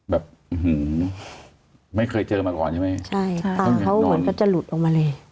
แบบอื้อหือไม่เคยเจอมาก่อนใช่ไหมเขาเหมือนจะหลุดออกมาเลย